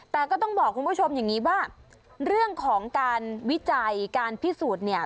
แต่ก็ต้องบอกคุณผู้ชมอย่างนี้ว่าเรื่องของการวิจัยการพิสูจน์เนี่ย